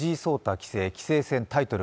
棋聖、棋聖戦タイトル